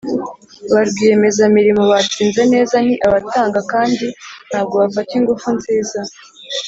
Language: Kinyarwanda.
"ba rwiyemezamirimo batsinze neza ni abatanga kandi ntabwo bafata ingufu nziza."